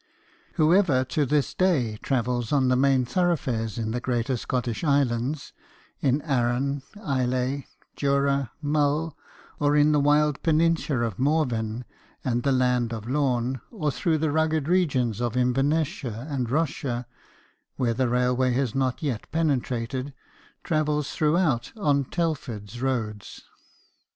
Whoever to this day travels on the main thoroughfares in the greater Scottish Islands in Arran, Islay, Jura, Mull ; or in the wild peninsula of Morvern, and the Land of Lome ; or through the rugged regions of Inverness shire and Ross shire, where the railway has not yet penetrated, travels throughout on Telford's roads.